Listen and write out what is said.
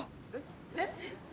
・えっ？